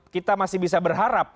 kita masih bisa berharap